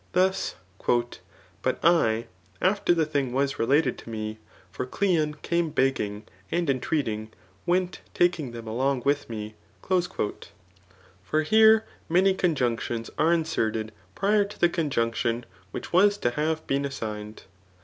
Thus, " But /, afhr the thing was related to me^ for Geon cume begging and entreating^ went taking them along nitk me. For here, many con junctions are inserted prior to the conjunction which was to have been assigned.